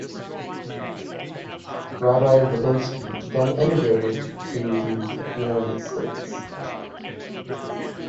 Rabbi Lubinsky then emigrated to the United States.